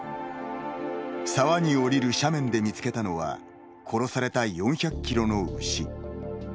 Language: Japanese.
沢に下りる斜面で見つけたのは殺された４００キロの牛。